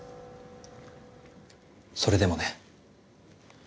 それでもね。